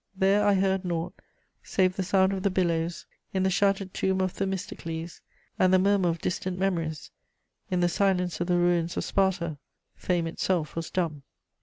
There I heard nought save the sound of the billows in the shattered tomb of Themistocles and the murmur of distant memories; in the silence of the ruins of Sparta, fame itself was dumb.